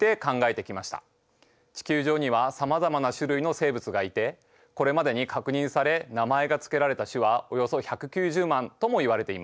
地球上にはさまざまな種類の生物がいてこれまでに確認され名前がつけられた種はおよそ１９０万ともいわれています。